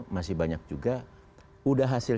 masih banyak juga udah hasil